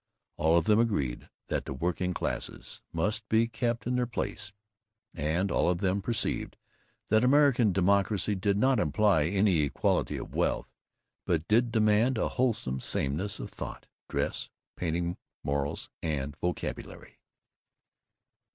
All of them agreed that the working classes must be kept in their place; and all of them perceived that American Democracy did not imply any equality of wealth, but did demand a wholesome sameness of thought, dress, painting, morals, and vocabulary.